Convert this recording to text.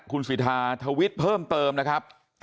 คุณสิทธาทวิตเพิ่มเติมนะครับ